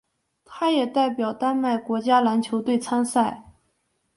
他也代表丹麦国家篮球队参赛。